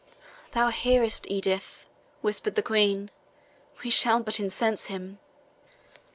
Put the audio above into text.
"Thou hearest, Edith," whispered the Queen; "we shall but incense him."